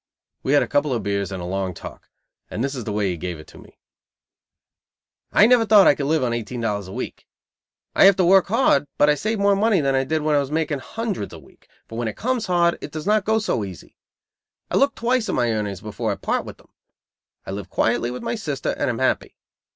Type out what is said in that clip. We had a couple of beers and a long talk, and this is the way he gave it to me: "I never thought I could live on eighteen dollars a week. I have to work hard but I save more money than I did when I was making hundreds a week; for when it comes hard, it does not go easy. I look twice at my earnings before I part with them. I live quietly with my sister and am happy.